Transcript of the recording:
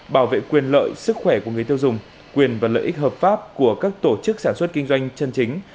bảo vệ quyền lợi sức khỏe của người tiêu dùng quyền và lợi ích hợp pháp của các tổ chức sản xuất kinh doanh chân chính